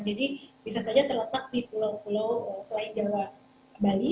jadi bisa saja terletak di pulau pulau selain jawa bali